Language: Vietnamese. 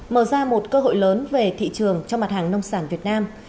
mở ra một cơ hội lớn về thị trường cho mặt hàng nông sản việt nam